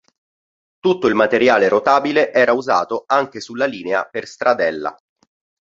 Tutto il materiale rotabile era usato anche sulla linea per Stradella.